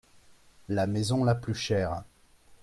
La maison la plus chère.